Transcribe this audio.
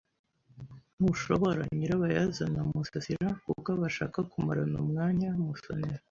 Ntushobora nyirabayazana Musasira kuko bashaka kumarana umwanya Musonera.